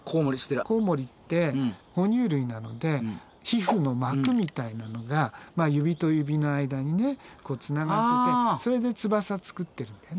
コウモリって哺乳類なので皮膚の膜みたいなのが指と指の間にねつながっててそれで翼作ってるんだよね。